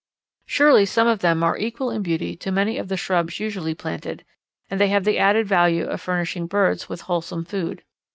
Surely some of them are equal in beauty to many of the shrubs usually planted, and they have the added value of furnishing birds with wholesome food.